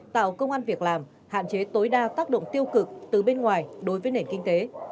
tạo công an việc làm hạn chế tối đa tác động tiêu cực từ bên ngoài đối với nền kinh tế